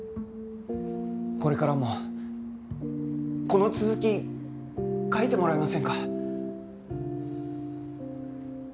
これからもこの続き書いてもらえませんか？